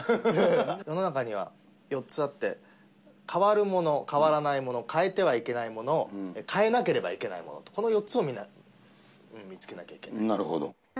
世の中には４つあって、変わるもの、変わらないもの、変えてはいけないもの、変えなければいけないものと、この４つをみんな、見つけなきゃなるほど。